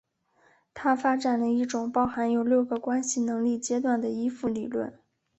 他发展了一种包含有六个关系能力阶段的依附理论。